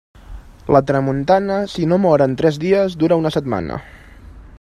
La tramuntana, si no mor en tres dies, dura una setmana.